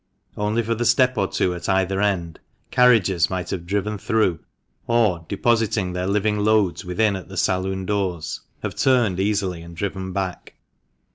Only for the step or two at either end, carriages might have driven through, or, depositing their living loads within at the saloon doors, have turned easily and driven back.